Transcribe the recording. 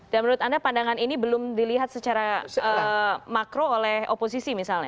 dan menurut anda pandangan ini belum dilihat secara makro oleh oposisi misalnya